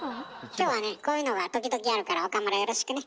今日はねこういうのが時々あるから岡村よろしくね。